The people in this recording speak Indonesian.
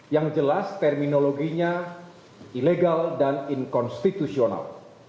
yang jelas terminologinya ilegal dan inkonstitusional